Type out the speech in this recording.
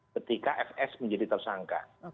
ketika fs menjadi tersangka